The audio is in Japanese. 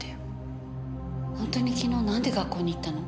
本当に昨日なんで学校に行ったの？